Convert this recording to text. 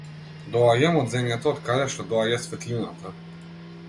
Доаѓам од земјата од каде што доаѓа светлината.